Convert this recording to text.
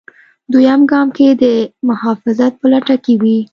دویم ګام کې د محافظت په لټه کې وي.